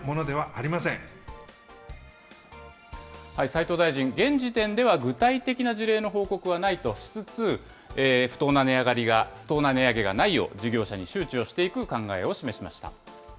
斉藤大臣、現時点では具体的な事例の報告はないとしつつ、不当な値上げがないよう、事業者に周知をしていく考えを示しました。